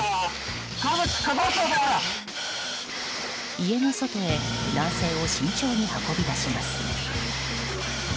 家の外へ男性を慎重に運び出します。